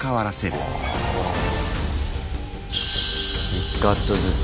１カットずつ。